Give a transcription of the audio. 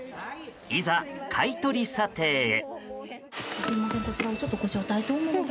いざ買い取り査定へ。